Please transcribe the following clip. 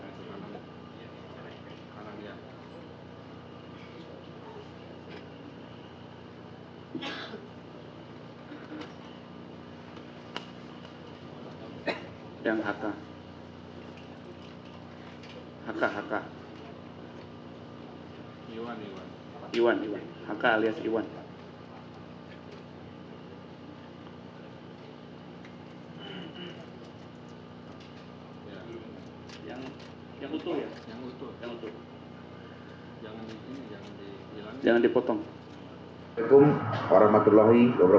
assalamualaikum warahmatullahi wabarakatuh